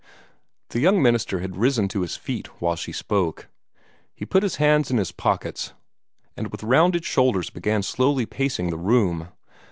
The young minister had risen to his feet while she spoke. He put his hands in his pockets, and with rounded shoulders began slowly pacing the room.